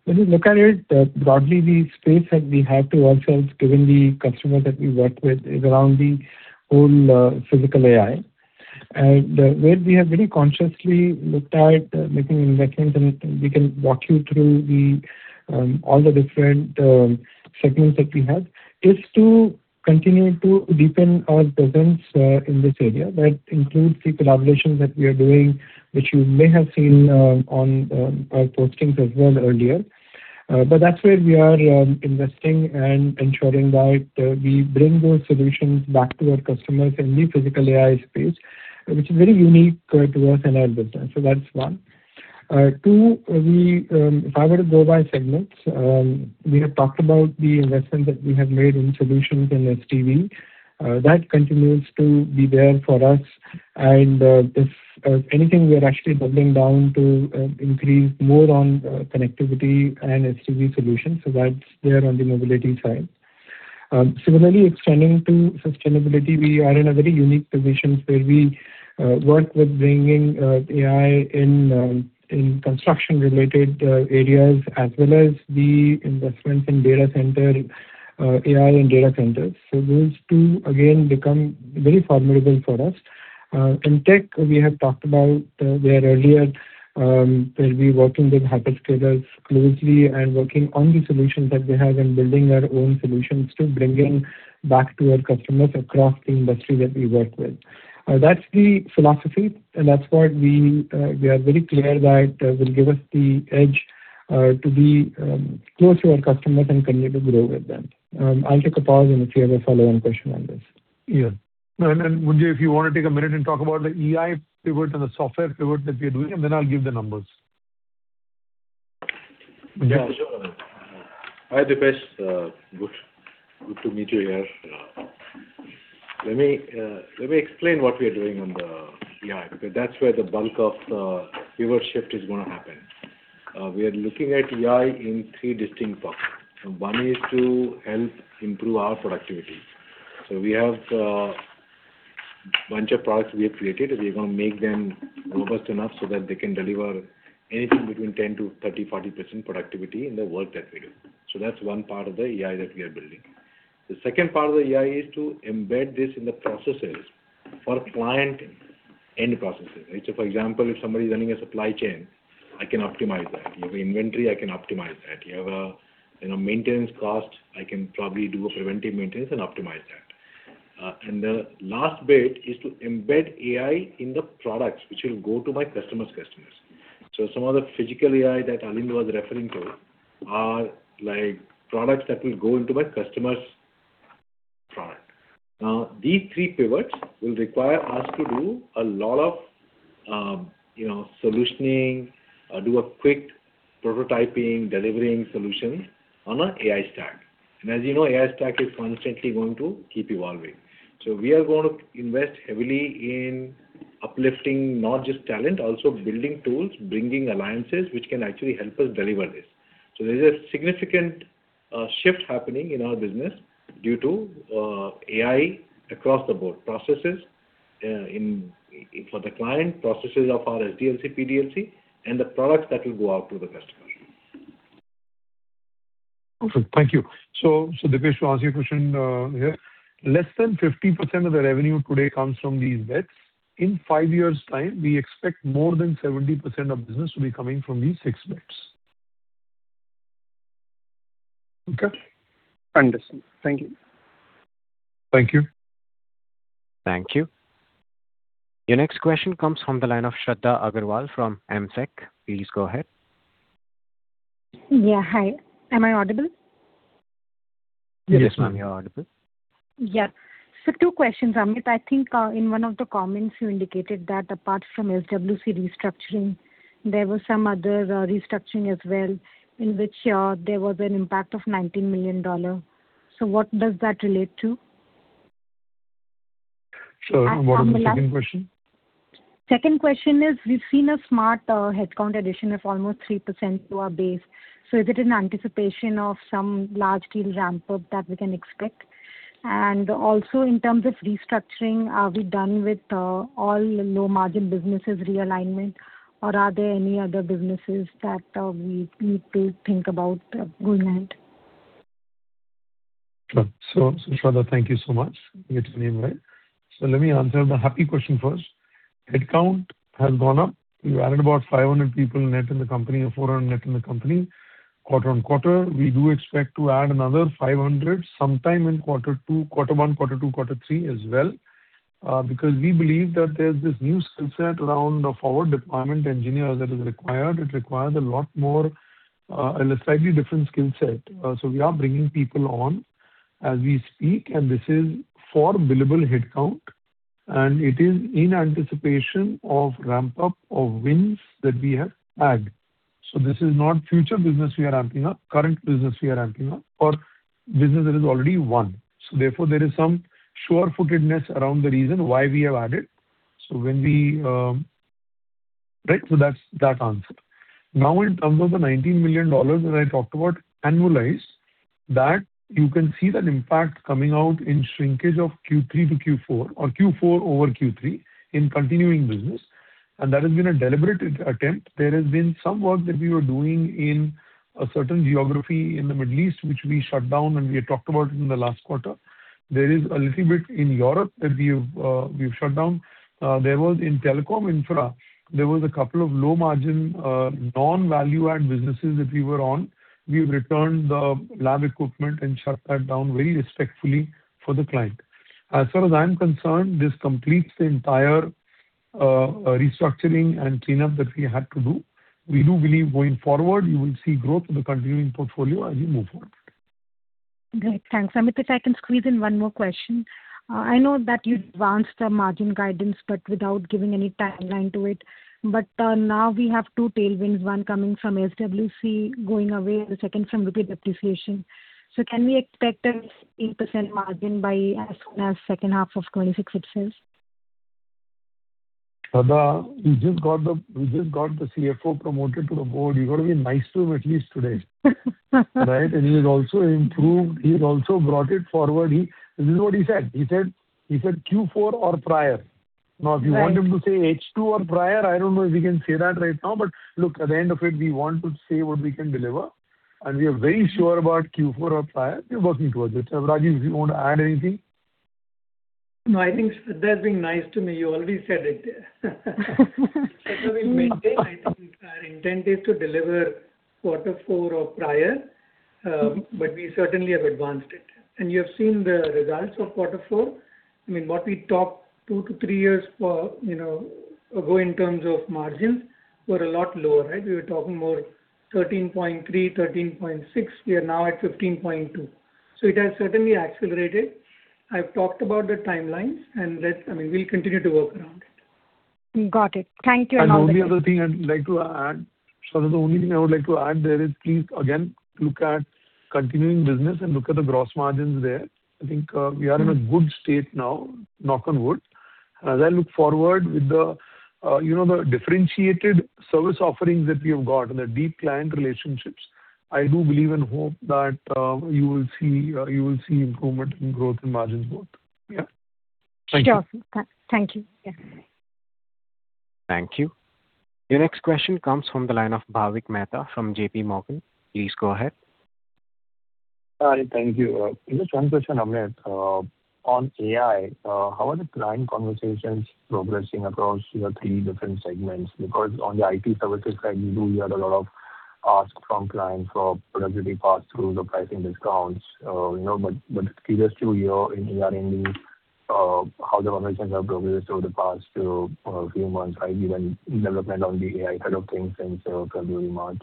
you look at it, broadly, the space that we had to ourselves, given the customers that we work with, is around the whole Physical AI. Where we have very consciously looked at making investments, and we can walk you through all the different segments that we have, is to continue to deepen our presence in this area. That includes the collaborations that we are doing, which you may have seen on our postings as well earlier. That's where we are investing and ensuring that we bring those solutions back to our customers in the Physical AI space, which is very unique to us and our business. That's one. Two, if I were to go by segments, we have talked about the investments that we have made in solutions in SDV. That continues to be there for us, and if anything, we are actually doubling down to increase more on connectivity and SDV solutions. That's there on the mobility side. Similarly, extending to sustainability, we are in a very unique position where we work with bringing AI in construction-related areas as well as the investments in data center, AI in data centers. Those two, again, become very formidable for us. In tech, we have talked about where earlier, we'll be working with hyperscalers closely and working on the solutions that they have and building our own solutions to bringing back to our customers across the industry that we work with. That's the philosophy, and that's what we are very clear that will give us the edge to be close to our customers and continue to grow with them. I'll take a pause, and if you have a follow-on question on this. Yeah. Mritunjay, if you want to take a minute and talk about the AI pivot and the software pivot that we are doing, and then I'll give the numbers. Yeah, sure. Hi, Dipesh. Good to meet you here. Let me explain what we are doing on the AI, because that's where the bulk of the pivot shift is going to happen. We are looking at AI in three distinct parts. One is to help improve our productivity. We have a bunch of products we have created, and we're going to make them robust enough so that they can deliver anything between 10%-30%, 40% productivity in the work that we do. That's one part of the AI that we are building. The second part of the AI is to embed this in the processes for client end processes, right? For example, if somebody is running a supply chain, I can optimize that. You have inventory, I can optimize that. You have a maintenance cost, I can probably do a preventive maintenance and optimize that. The last bit is to embed AI in the products which will go to my customer's customers. Some of the physical AI that Alind was referring to are products that will go into my customer's product. Now, these three pivots will require us to do a lot of solutioning, do a quick prototyping, delivering solutions on an AI stack. As you know, AI stack is constantly going to keep evolving. We are going to invest heavily in uplifting not just talent, also building tools, bringing alliances, which can actually help us deliver this. There's a significant shift happening in our business due to AI across the board, processes for the client, processes of our SDLC, PDLC, and the products that will go out to the customers. Perfect. Thank you. Dipesh, to answer your question here, less than 50% of the revenue today comes from these bets. In five years' time, we expect more than 70% of business to be coming from these six bets. Okay? Understood. Thank you. Thank you. Thank you. Your next question comes from the line of Shradha Agrawal from AMSEC. Please go ahead. Yeah. Hi, am I audible? Yes, ma'am, you're audible. Yeah. Two questions, Amit. I think in one of the comments you indicated that apart from SWC restructuring, there were some other restructuring as well, in which there was an impact of $19 million. What does that relate to? What was the second question? Second question is, we've seen a smart headcount addition of almost 3% to our base. Is it in anticipation of some large deal ramp-up that we can expect? Also in terms of restructuring, are we done with all low margin businesses realignment or are there any other businesses that we need to think about going ahead? Sure. Shradha, thank you so much. I got your name right. Let me answer the happy question first. Headcount has gone up. We added about 500 people net in the company or 400 net in the company quarter-on-quarter. We do expect to add another 500 sometime in quarter one, quarter two, quarter three as well, because we believe that there's this new skill set around the forward deployment engineers that is required. It requires a lot more, and a slightly different skill set. We are bringing people on as we speak, and this is for billable headcount, and it is in anticipation of ramp-up of wins that we have bagged. This is not future business we are ramping up, current business we are ramping up or business that is already won. Therefore, there is some sure-footedness around the reason why we have added. That's that answered. Now, in terms of the $19 million that I talked about, annualized, that you can see that impact coming out in shrinkage of Q3 to Q4 or Q4 over Q3 in continuing business. That has been a deliberate attempt. There has been some work that we were doing in a certain geography in the Middle East, which we shut down, and we had talked about it in the last quarter. There is a little bit in Europe that we've shut down. There was in telecom infra, there was a couple of low margin, non-value add businesses that we were on. We returned the lab equipment and shut that down very respectfully for the client. As far as I am concerned, this completes the entire restructuring and cleanup that we had to do. We do believe going forward, you will see growth in the continuing portfolio as we move forward. Great. Thanks. Amit, if I can squeeze in one more question. I know that you've advanced the margin guidance, but without giving any timeline to it. Now we have two tailwinds, one coming from SWC going away and the second from rupee depreciation. Can we expect a 15% margin by as soon as second half of 2026 itself? Shradha, you just got the CFO promoted to the board. You got to be nice to him at least today, right? He has also improved. He has also brought it forward. This is what he said. He said Q4 or prior. Now, if you want him to say H2 or prior, I don't know if he can say that right now, but look, at the end of it, we want to say what we can deliver, and we are very sure about Q4 or prior. We are working towards it. Rajeev, do you want to add anything? No, I think Shradha has been nice to me. You already said it. We maintain, I think our intent is to deliver quarter four or prior, but we certainly have advanced it. You have seen the results for quarter four. What we talked two to three years ago in terms of margins were a lot lower. We were talking more 13.3%, 13.6%. We are now at 15.2%. It has certainly accelerated. I've talked about the timelines, and we'll continue to work around it. Got it. Thank you. Shradha, the only thing I would like to add there is please again, look at continuing business and look at the gross margins there. I think we are in a good state now, knock on wood. As I look forward with the differentiated service offerings that we have got and the deep client relationships, I do believe and hope that you will see improvement in growth and margins both. Yeah. Thank you. Sure. Thank you. Yeah. Thank you. Your next question comes from the line of Bhavik Mehta from J.P. Morgan. Please go ahead. Hi. Thank you. Just one question, Amit. On AI, how are the client conversations progressing across your three different segments? Because on the IT services side, we do hear a lot of ask from clients for productivity pass through the pricing discounts. But just curious in ER&D, how the conversations have progressed over the past few months, even development on the AI side of things since February, March.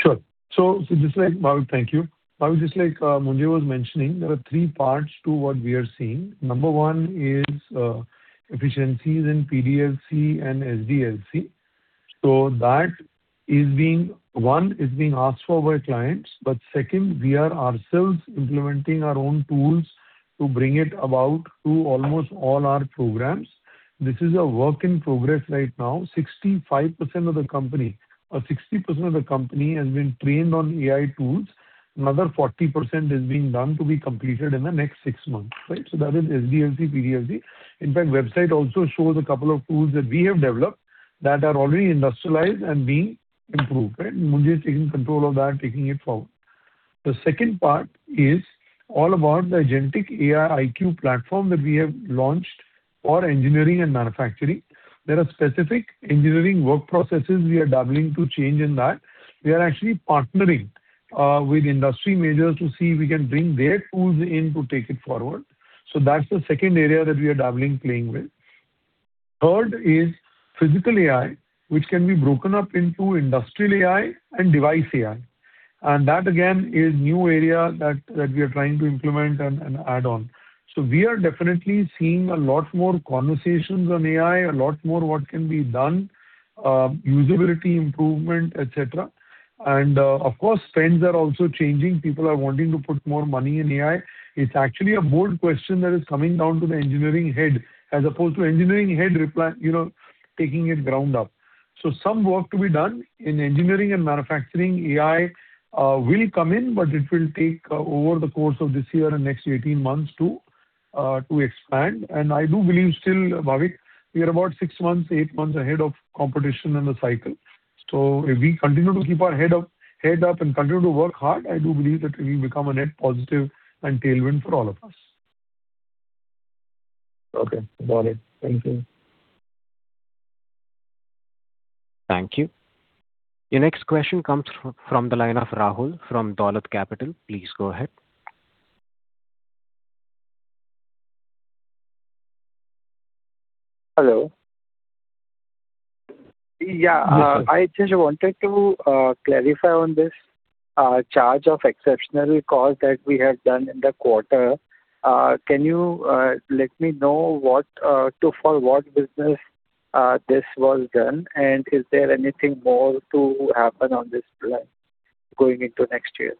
Sure. Bhavik, thank you. Bhavik, just like Mritunjay was mentioning, there are three parts to what we are seeing. Number one is efficiencies in PDLC and SDLC. That is being asked for by clients, but second, we are ourselves implementing our own tools to bring it about to almost all our programs. This is a work in progress right now. 65% of the company or 60% of the company has been trained on AI tools. Another 40% is being done to be completed in the next six months, right? That is SDLC, PDLC. In fact, website also shows a couple of tools that we have developed that are already industrialized and being improved. Mritunjay is taking control of that and taking it forward. The second part is all about the agentic AI IQ platform that we have launched. Our engineering and manufacturing. There are specific engineering work processes we are dabbling to change in that. We are actually partnering with industry majors to see if we can bring their tools in to take it forward. That's the second area that we are dabbling, playing with. Third is physical AI, which can be broken up into industrial AI and device AI. That, again, is new area that we are trying to implement and add on. We are definitely seeing a lot more conversations on AI, a lot more what can be done, usability improvement, et cetera. Of course, trends are also changing. People are wanting to put more money in AI. It's actually a board question that is coming down to the engineering head as opposed to engineering head taking it ground up. Some work to be done in engineering and manufacturing. AI will come in, but it will take over the course of this year and next 18 months to expand. I do believe still, Bhavik, we are about six months, eight months ahead of competition in the cycle. If we continue to keep our head up and continue to work hard, I do believe that we will become a net positive and tailwind for all of us. Okay. Got it. Thank you. Thank you. Your next question comes from the line of Rahul from Dolat Capital. Please go ahead. Hello. Yeah. Yes, sir. I just wanted to clarify on this charge of exceptional cost that we have done in the quarter. Can you let me know for what business this was done? Is there anything more to happen on this front going into next year?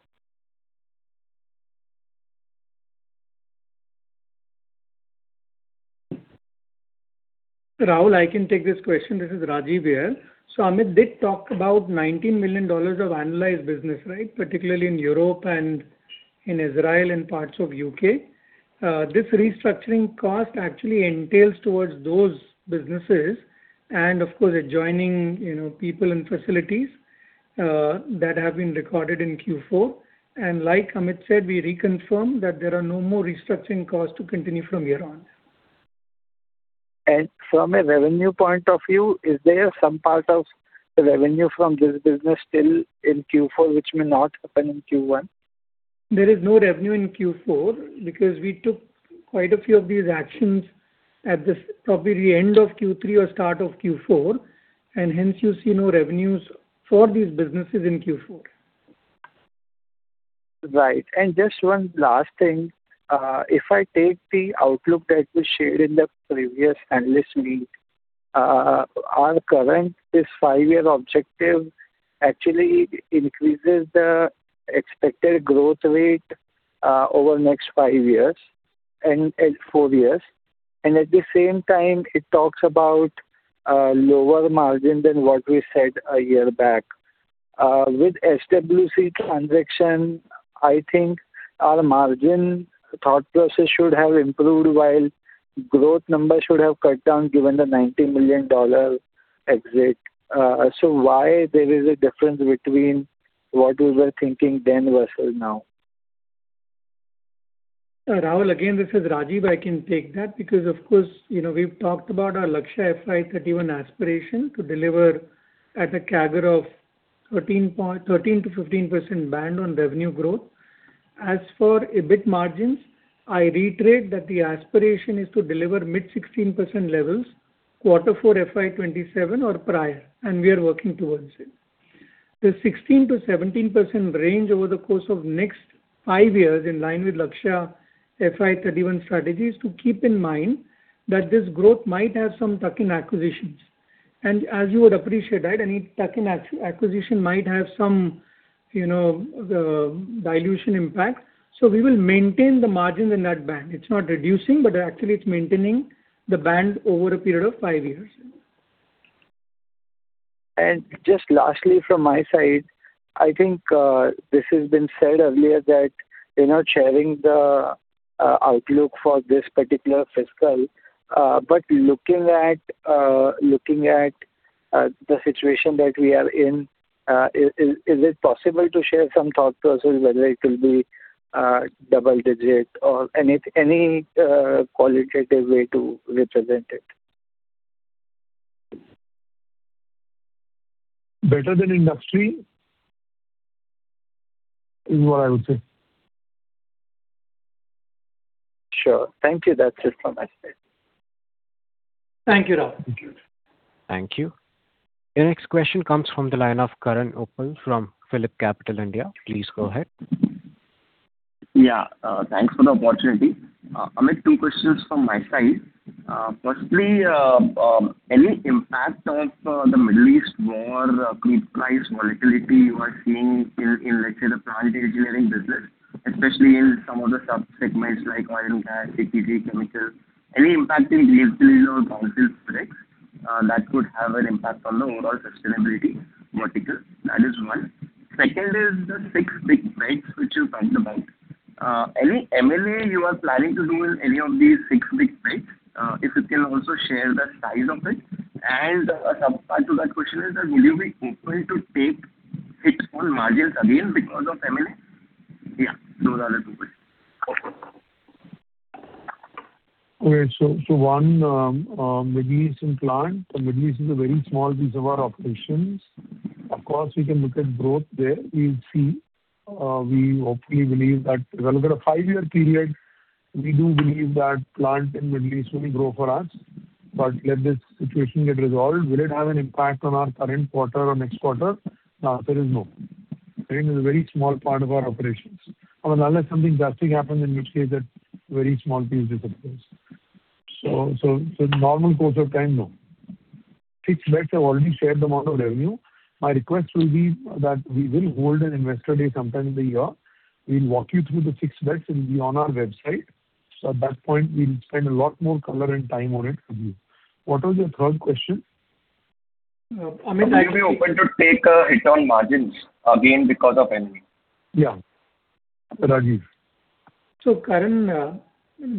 Rahul, I can take this question. This is Rajeev here. Amit did talk about $19 million of analyzed business, right? Particularly in Europe and in Israel and parts of U.K. This restructuring cost actually entails towards those businesses and, of course, adjoining people and facilities that have been recorded in Q4. Like Amit said, we reconfirm that there are no more restructuring costs to continue from here on. From a revenue point of view, is there some part of the revenue from this business still in Q4, which may not happen in Q1? There is no revenue in Q4 because we took quite a few of these actions at probably the end of Q3 or start of Q4, and hence you see no revenues for these businesses in Q4. Right. Just one last thing. If I take the outlook that you shared in the previous analyst meet, our current this five-year objective actually increases the expected growth rate over the next five years, four years, and at the same time it talks about lower margin than what we said a year back. With SWC transaction, I think our margin thought process should have improved while growth number should have cut down given the $19 million exit. Why there is a difference between what we were thinking then versus now? Rahul, again, this is Rajeev. I can take that because, of course, we've talked about our Lakshya 2031 aspiration to deliver at a CAGR of 13%-15% band on revenue growth. As for EBIT margins, I reiterate that the aspiration is to deliver mid-16% levels quarter four FY 2027 or prior, and we are working towards it. The 16%-17% range over the course of next five years in line with Lakshya 2031 strategy is to keep in mind that this growth might have some tuck-in acquisitions. As you would appreciate that any tuck-in acquisition might have some dilution impact. We will maintain the margin in that band. It's not reducing, but actually it's maintaining the band over a period of five years. Just lastly from my side, I think this has been said earlier that sharing the outlook for this particular fiscal. Looking at the situation that we are in, is it possible to share some thought process whether it will be double digit or any qualitative way to represent it? Better than industry is what I would say. Sure. Thank you. That's just from my side. Thank you, Rahul. Thank you. Thank you. Your next question comes from the line of. Please go ahead. Yeah. Thanks for the opportunity. Amit, two questions from my side. First, any impact of the Middle East war, crude price volatility you are seeing in, let's say, the plant engineering business, especially in some of the sub-segments like oil and gas, LPG, chemicals. Any impact in gasoline or diesel products that could have an impact on the overall sustainability vertical? That is one. Second is the six big bets which you talked about. Any M&A you are planning to do in any of these six big bets? If you can also share the size of it. And a sub part to that question is that will you be open to take hits on margins again because of M&A? Yeah. No further queries. Okay. One, Middle East plant. Middle East is a very small piece of our operations. Of course, we can look at growth there. We hopefully believe that over a five-year period, we do believe that plant in Middle East will grow for us. Let this situation get resolved. Will it have an impact on our current quarter or next quarter? The answer is no. Again, it's a very small part of our operations. Unless something drastic happens, in which case that very small piece disappears. In normal course of time, no. Six bets, I've already shared the amount of revenue. My request will be that we will hold an investor day sometime in the year. We'll walk you through the six bets. It'll be on our website. At that point, we'll spend a lot more color and time on it for you. What was your third question? Amit, are you open to take a hit on margins again because of M&A? Yeah. Rajeev. Karan,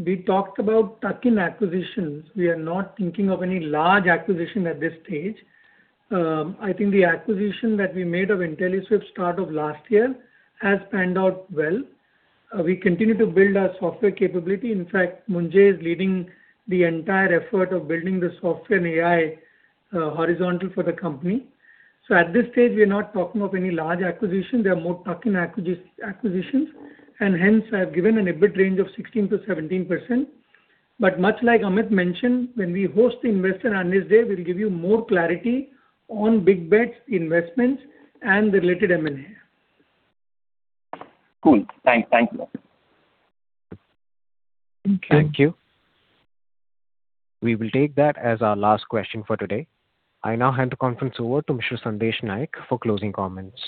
we talked about tuck-in acquisitions. We are not thinking of any large acquisition at this stage. I think the acquisition that we made of IntelliSwift start of last year has panned out well. We continue to build our software capability. In fact, Mritunjay is leading the entire effort of building the software and AI horizontal for the company. At this stage, we are not talking of any large acquisition. They are more tuck-in acquisitions. Hence, I have given an EBIT range of 16%-17%. Much like Amit mentioned, when we host the investor analyst day, we'll give you more clarity on Big Bets, investments, and the related M&A. Cool. Thanks. Thank you. Thank you. Thank you. We will take that as our last question for today. I now hand the conference over to Mr. Sandesh Naik for closing comments.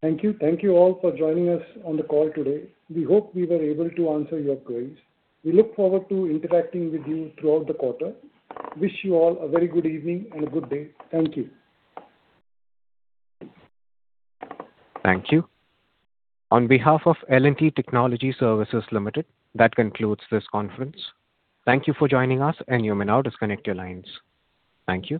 Thank you. Thank you all for joining us on the call today. We hope we were able to answer your queries. We look forward to interacting with you throughout the quarter. Wish you all a very good evening and a good day. Thank you. Thank you. On behalf of L&T Technology Services Limited, that concludes this conference. Thank you for joining us, and you may now disconnect your lines. Thank you.